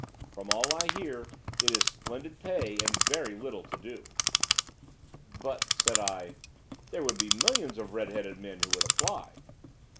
From all I hear it is splendid pay and very little to do.' "'But,' said I, 'there would be millions of red headed men who would apply.